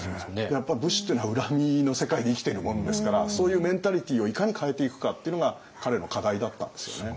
やっぱ武士っていうのは恨みの世界で生きてるもんですからそういうメンタリティーをいかに変えていくかっていうのが彼の課題だったんですよね。